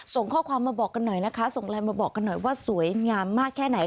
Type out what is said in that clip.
ส่งข้อความมาบอกกันหน่อยนะคะส่งไลน์มาบอกกันหน่อยว่าสวยงามมากแค่ไหน